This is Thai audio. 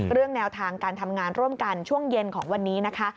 เรื่องแนวทางการทำงานร่วมกันช่วงเย็นของวันนี้นะคะ